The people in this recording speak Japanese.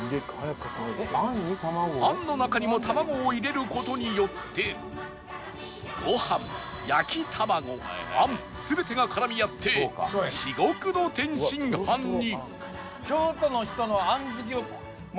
あんの中にも卵を入れる事によってご飯焼き卵あん全てが絡み合って至極の天津飯に！